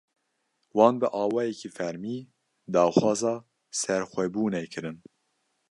Wan bi awayekî fermî, daxwaza serxwebûnê kirin